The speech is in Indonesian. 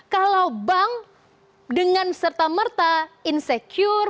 kalau bank dengan serta merta insecure